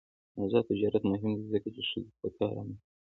آزاد تجارت مهم دی ځکه چې ښځو ته کار رامنځته کوي.